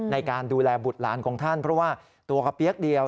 ในการดูแลบุตรหลานของท่านเพราะว่าตัวกระเปี๊ยกเดียว